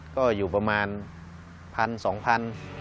ก็อยู่ประมาณ๑๐๐๒๐๐บาท